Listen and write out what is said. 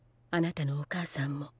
あなたのお母さんも。